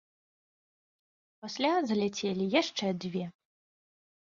А пасля заляцелі яшчэ дзве.